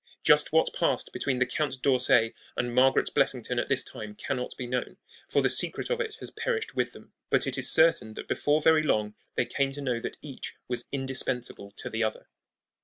Just what passed between Count d'Orsay and Margaret Blessington at this time cannot be known, for the secret of it has perished with them; but it is certain that before very long they came to know that each was indispensable to the other.